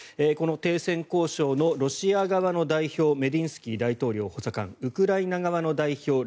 この停戦交渉のロシア側の代表メディンスキー大統領補佐官ウクライナ側の代表